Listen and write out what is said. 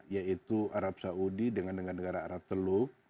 yaitu arab saudi dengan negara negara arab teluk